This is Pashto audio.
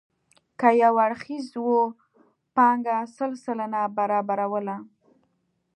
که یو اړخیزه وه پانګه سل سلنه برابروله.